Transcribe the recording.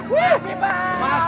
kasih pak amdi